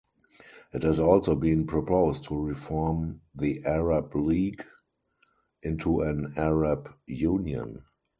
It has also been proposed to reform the Arab League into an Arab Union.